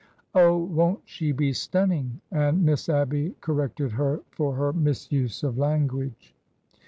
Oh, won't she be stunning! " and Miss Abby cor rected her for her misuse of language.